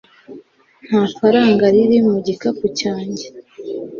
nta faranga riri mu gikapu cyanjye